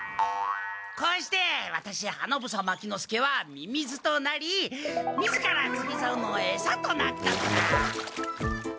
こうしてワタシ花房牧之介はミミズとなり自らつりざおのえさとなったのだ。